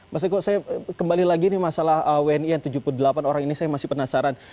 mas eko saya kembali lagi ini masalah wni yang tujuh puluh delapan orang ini saya masih penasaran